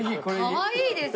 かわいいですよ。